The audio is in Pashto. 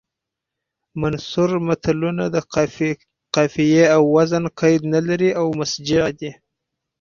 منثور متلونه د قافیې او وزن قید نه لري او مسجع دي